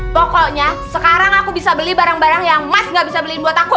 pokoknya sekarang aku bisa beli barang barang yang mas gak bisa beliin buat aku